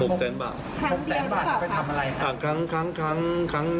หกแสนบาทเป็นคำอะไรครับ